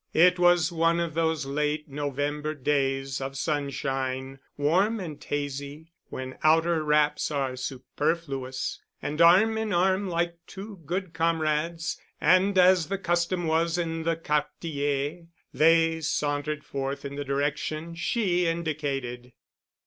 It was one of those late November days of sunshine, warm and hazy, when outer wraps are superfluous, and arm in arm, like two good comrades, and as the custom was in the Quartier, they sauntered forth, in the direction she indicated.